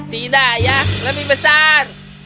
tidak ayah lebih besar